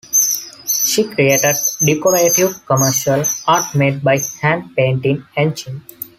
She created decorative commercial art made by hand painted etching.